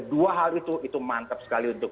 dua hal itu itu mantap sekali untuk